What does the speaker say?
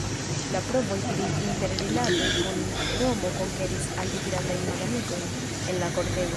La provoj pri interrilatoj kun Romo konkeris al li grandajn malamikojn en la kortego.